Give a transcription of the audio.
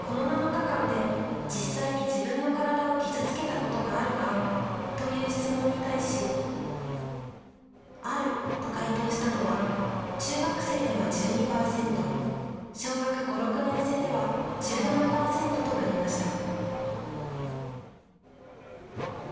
この７日間で実際に自分の体を傷つけたことがあるかという質問に対し、あると回答したのは中学生では１２％、小学５、６年生では１７％となりました。